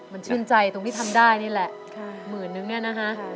มันชื่นใจตรงที่ทำได้นี่แหละหมื่นนึงเนี่ยนะคะ